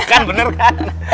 kan bener kan